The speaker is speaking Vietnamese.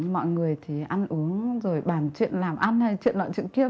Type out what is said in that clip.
mọi người thì ăn uống rồi bàn chuyện làm ăn hay chuyện lợn chuyện kia